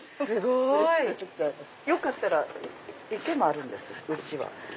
すごい！よかったら池もあるんです。